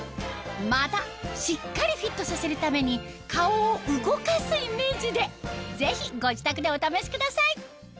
またしっかりフィットさせるために顔を動かすイメージでぜひご自宅でお試しください